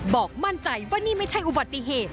บอกมั่นใจว่านี่ไม่ใช่อุบัติเหตุ